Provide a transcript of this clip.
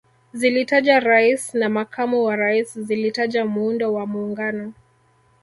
Zilitaja Rais na Makamu wa Rais zilitaja Muundo wa Muungano